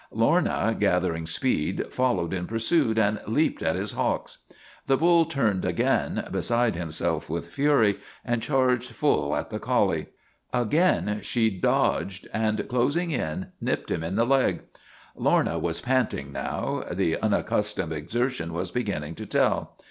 Lorna, gathering speed, followed in pursuit, and leaped at his hocks. The bull turned again, beside himself with fury, and charged full at the collie. Again she dodged, and, closing in, nipped him in the leg. Lorna was panting now; the unaccustomed exer tion was beginning to tell.